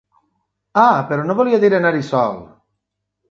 Ah, però no volia dir anar-hi sol!